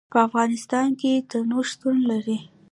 په افغانستان کې تنوع شتون لري.